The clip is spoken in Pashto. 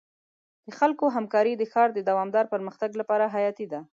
د خلکو همکاري د ښار د دوامدار پرمختګ لپاره حیاتي ده.